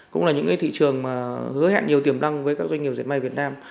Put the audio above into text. cũng là những thị trường hứa hẹn nhiều tiềm năng với các doanh nghiệp diệt may